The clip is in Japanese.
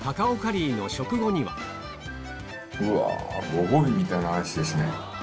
ご褒美みたいなアイスですね。